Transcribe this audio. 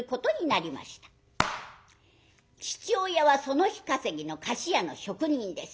父親はその日稼ぎの菓子屋の職人です。